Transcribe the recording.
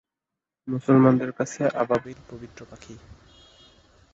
মুসলমানদের কাছে আবাবিল পবিত্র পাখি।